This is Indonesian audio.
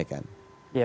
gimana mas menghadapi mas